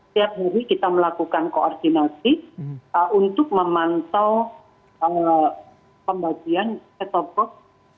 tiap hari kita melakukan koordinasi untuk memantau pembagian setoboks